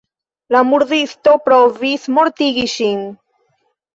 La murdisto provis mortigi ŝin.